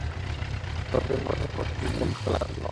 তর্জন গর্জন করতে লাগল আর ধমকাতে লাগল।